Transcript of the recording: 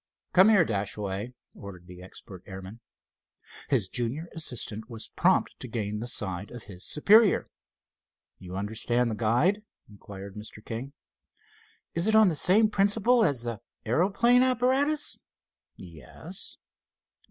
"Come here, Dashaway," ordered the expert airman. His junior assistant was prompt to gain the side of his superior. "You understand the guide?" inquired Mr. King. "It is on the same principle as the aeroplane apparatus?" "Yes."